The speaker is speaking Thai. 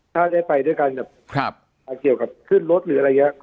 ถ้าจะไปด้วยกันแบบครับเขียวกับขึ้นรถหรืออะไรอย่างเงี้ย